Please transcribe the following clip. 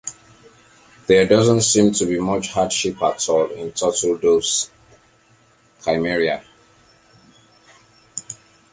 There doesn't seem to be much hardship at all in Turtledove's Cimmeria.